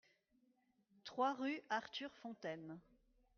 trois rue Arthur Fontaine